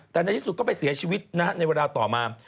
แต่ในที่สุดก็ไปเสียชีวิตในเวลาต่อมา